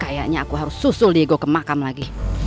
kayaknya aku harus susul diego ke makam lagi